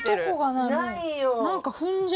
ないよ。